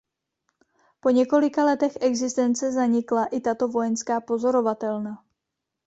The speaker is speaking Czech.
Po několika letech existence zanikla i tato vojenská pozorovatelna.